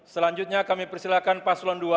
selanjutnya kami persilahkan paslon dua